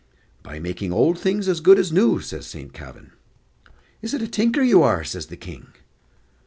"By makin' old things as good as new," says Saint Kavin. "Is it a tinker you are?" says the King.